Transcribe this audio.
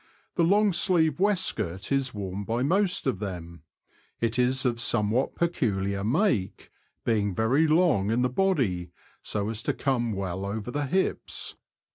The long sleeved waistcoat is worn by most of them. It is of somewhat peculiar make, being very long in the body, so as to come well over the hips.